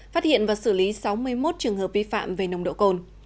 phát hiện và xử lý sáu mươi một trường hợp vi phạm về nồng độ cồn